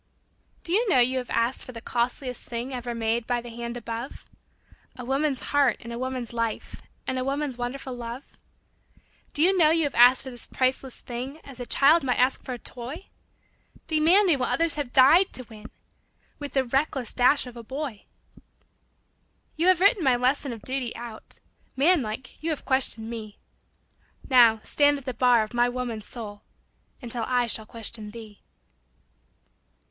] Do you know you have asked for the costliest thing Ever made by the hand above A woman's heart and a woman's life And a woman's wonderful love? Do you know you have asked for this priceless thing As a child might ask for a toy, Demanding what others have died to win, With the reckless dash of a boy ? You have written my lesson of duty out, Man like you have questioned me ; Now stand at the bar of my woman's soul Until I shall question thee.